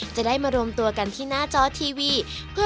จะได้มารวมตัวกันที่น่าจะ